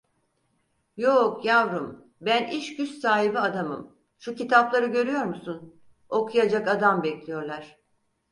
Yook yavrum, ben iş güç sahibi adamım, şu kitapları görüyor musun, okuyacak adam bekliyorlar.